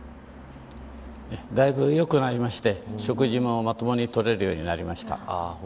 だいぶ良くなりまして食事も、まともに取れるようになりました。